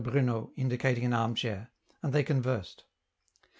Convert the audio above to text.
Bruno, indicating an arm chair ; and they conversed.